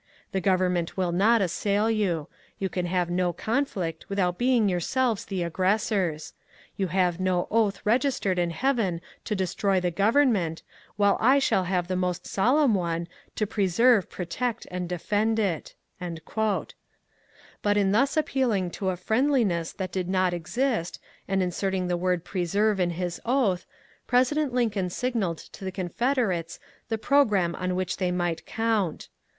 The government will not assail you. You can have no conflict without being yourselves the aggressors. You have no oath registered in heaven to destroy the government, while I shall have the most solemn one to ^ preserve, protect, and defend ' it.'* But in thus appealing to a friendliness that did not exist, and inserting the word ^ preserve ' in his oath. President Lincoln signalled to the Confederates the programme on which they might count.